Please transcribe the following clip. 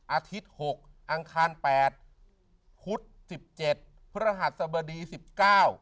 อาทิตย์หกอังคารแปดพุธสิบเจ็ดพระหัสสบดีสิบเก้า